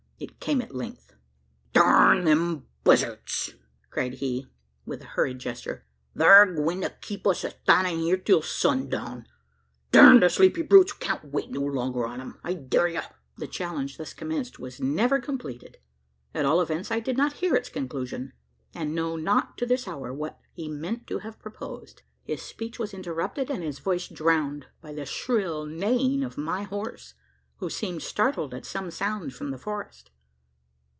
It came at length. "Durn them buzzarts!" cried he, with a hurried gesture, "thar agwine to keep us stannin' hyur till sundown. Durn the sleepy brutes! we can't wait no longer on 'em. I dare ye " The challenge thus commenced was never completed at all events, I did not hear its conclusion; and know not to this hour what he meant to have proposed. His speech was interrupted, and his voice drowned, by the shrill neighing of my horse who seemed startled at some sound from the forest.